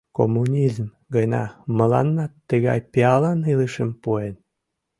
— Коммунизм гына мыланна тыгай пиалан илышым пуэн...